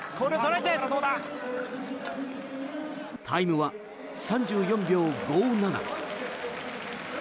タイムは３４秒５７。